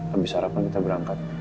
habis sarapan kita berangkat